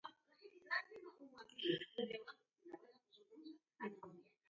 Enda kuzere apa mbew'a yawa'dwa ni luzi